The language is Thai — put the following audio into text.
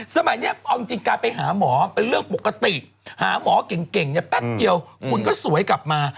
สมัยนี้เอาจริงการไปหาหมอเป็นเรื่องปกติหาหมอเก่งเนี่ยแป๊บเดียวคุณก็สวยกลับมา